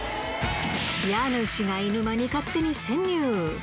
家主がいぬ間に勝手に潜入。